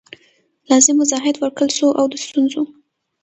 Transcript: لازم وضاحت ورکړل سو او د ستونزو